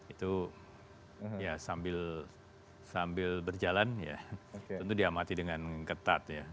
itu ya sambil berjalan ya tentu diamati dengan ketat ya